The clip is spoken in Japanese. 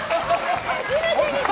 初めて見た！